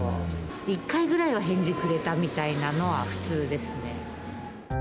一回ぐらいは返事くれたみたいなのが普通ですね。